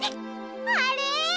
あれ！？